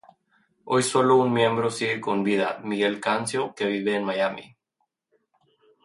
Hoy solo un miembro sigue con vida, Miguel Cancio, que vive en Miami.